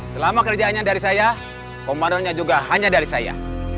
selama kerjaannya dari saya komandonya juga hanya dari saya